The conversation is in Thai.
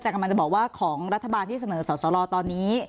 แต่กำลังจะบอกว่าของรัฐบาลที่เสนอสอสรตอนนี้